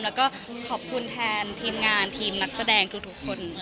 แล้วก็ขอบคุณแทนทีมงานทีมนักแสดงทุกคน